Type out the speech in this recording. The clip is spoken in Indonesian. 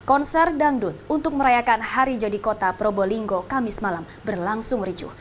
konser dangdut untuk merayakan hari jadi kota probolinggo kamis malam berlangsung ricuh